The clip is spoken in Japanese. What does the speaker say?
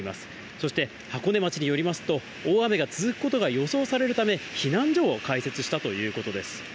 そして箱根町によりますと、大雨が続くことが予想されるため、避難所を開設したということです。